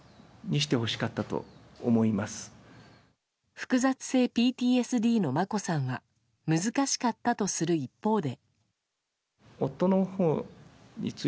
複雑性ＰＴＳＤの眞子さんは難しかったとする一方で。